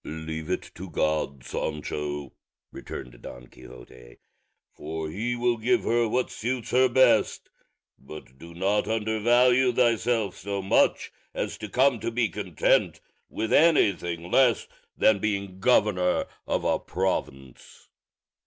"Leave it to God, Sancho," returned Don Quixote, "for he will give her what suits her best; but do not undervalue thyself so much as to come to be content with anything less than being governor of a province."